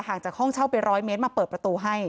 จากห้องเช่าไป๑๐๐เมตรมาเปิดประตูให้